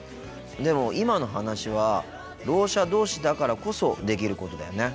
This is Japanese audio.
でも今の話はろう者同士だからこそできることだよね。